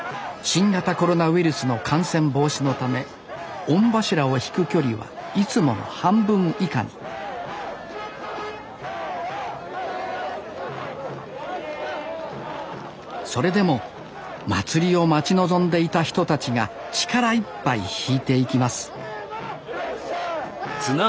新型コロナウイルスの感染防止のため御柱を曳く距離はいつもの半分以下にそれでも祭りを待ち望んでいた人たちが力いっぱい曳いていきますせの！